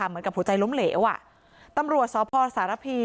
เหมือนกับหัวใจล้มเหลวอ่ะตำรวจสพสารพี